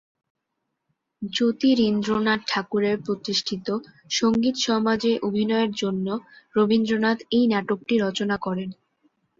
জ্যোতিরিন্দ্রনাথ ঠাকুরের প্রতিষ্ঠিত "সংগীত সমাজ"-এ অভিনয়ের জন্য রবীন্দ্রনাথ এই নাটকটি রচনা করেন।